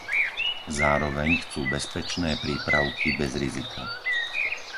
Zároveň chcú bezpečné prípravky bez rizika.